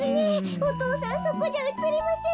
お父さんそこじゃうつりませんよ。